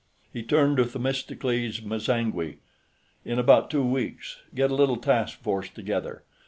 He turned to Themistocles M'zangwe. "In about two weeks, get a little task force together.